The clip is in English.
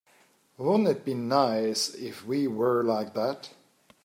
Wouldn't it be nice if we were like that?